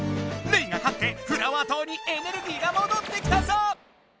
レイが勝ってフラワー島にエネルギーがもどってきたぞ！